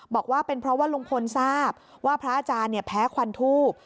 บอกว่าเป็นเพราะว่าลุงพลทราบว่าพระอาจารย์แพ้ควันทูบ